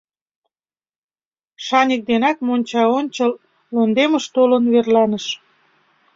Шаньык денак мончаончыл лондемыш толын верланыш.